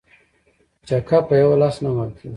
ـ چکه په يوه لاس نه وهل کيږي.